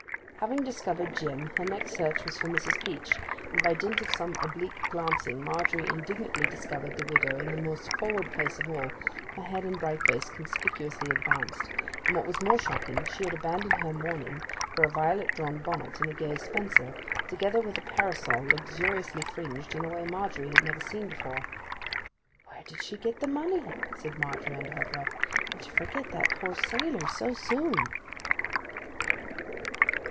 Having discovered Jim her next search was for Mrs. Peach, and, by dint of some oblique glancing Margery indignantly discovered the widow in the most forward place of all, her head and bright face conspicuously advanced; and, what was more shocking, she had abandoned her mourning for a violet drawn bonnet and a gay spencer, together with a parasol luxuriously fringed in a way Margery had never before seen. 'Where did she get the money?' said Margery, under her breath. 'And to forget that poor sailor so soon!